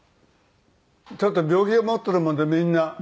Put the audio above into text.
ちょっと病気を持ってるもんでみんな。